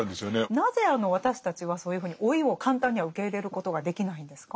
なぜあの私たちはそういうふうに老いを簡単には受け入れることができないんですか？